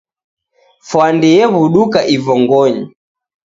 Fwandi yew'uduka ivongonyi